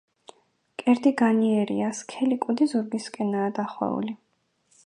მკერდი განიერია, სქელი კუდი ზურგისკენაა დახვეული.